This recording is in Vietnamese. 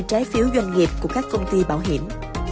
trái phiếu doanh nghiệp của các công ty bảo hiểm